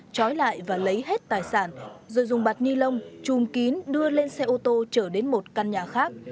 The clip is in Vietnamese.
trói lại và lấy hết tài sản rồi dùng bạt ni lông chùm kín đưa lên xe ô tô trở đến một căn nhà khác